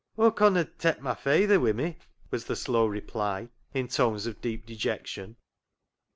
" Aw conna tak' my fayther wi' me," was the slow reply in tones of deep dejection.